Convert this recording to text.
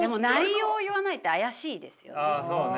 そうね。